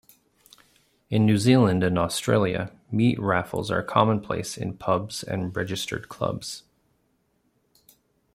In New Zealand and Australia, meat raffles are commonplace in pubs and registered clubs.